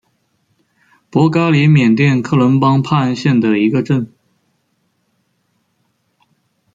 博嘎里缅甸克伦邦帕安县的一个镇。